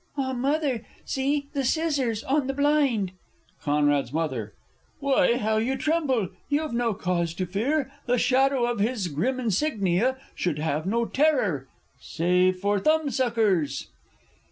_) Ah, Mother, see!... the scissors!... On the blind! C.'s M. Why, how you tremble! You've no cause to fear. The shadow of his grim insignia Should have no terror save for thumb suckers.